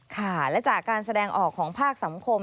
ค่ะและจากการแสดงออกของภาคสังคม